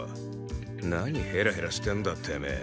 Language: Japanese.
何ヘラヘラしてんだてめえ。